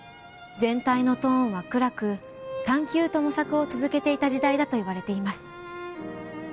全体のトーンは暗く探究と模索を続けていた時代だといわれています。